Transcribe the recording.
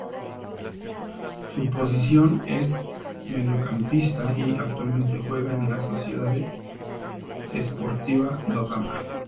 Su posición es Mediocampista y actualmente juega en la Sociedade Esportiva do Gama.